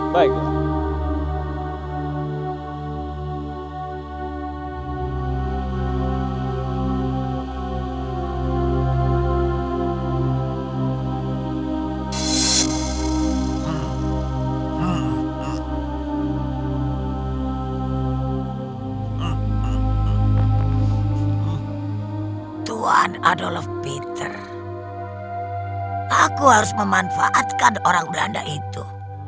tuan adolf peter aku harus memanfaatkan orang belanda itu